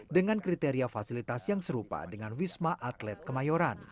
dengan kriteria fasilitas yang serupa dengan wisma atlet kemayoran